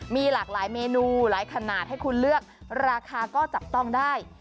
มีหลากหลายเมนูหลายขนาดให้คุณเลือกราคาก็จับต้องได้